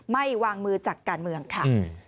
ไม่วางมือจากการเมืองค่ะ